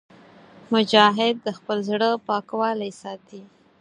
مجاهد د خپل زړه پاکوالی ساتي.